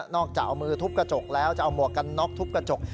จากเอามือทุบกระจกแล้วจะเอาหมวกกันน็อกทุบกระจก